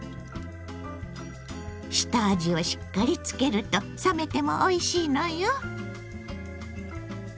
下味をしっかりつけると冷めてもおいしいのよ。